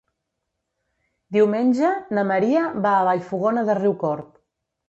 Diumenge na Maria va a Vallfogona de Riucorb.